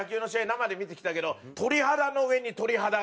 生で見てきたけど鳥肌の上に鳥肌が立った。